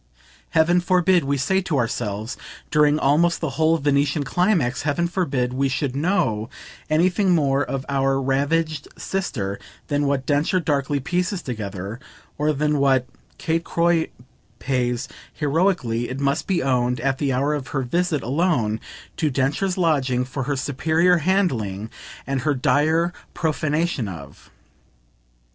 Heaven forbid, we say to ourselves during almost the whole Venetian climax, heaven forbid we should "know" anything more of our ravaged sister than what Densher darkly pieces together, or than what Kate Croy pays, heroically, it must be owned, at the hour of her visit alone to Densher's lodging, for her superior handling and her dire profanation of.